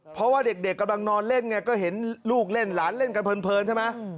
เพราะว่าเด็กกำลังนอนเล่นไงก็เห็นลูกเล่นหลานเล่นกันเพลินใช่ไหม